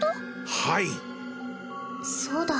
はいそうだ